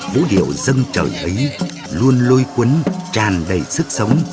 vũ điệu dân trời ấy luôn lôi cuốn tràn đầy sức sống